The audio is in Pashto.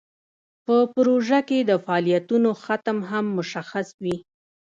په پروژه کې د فعالیتونو ختم هم مشخص وي.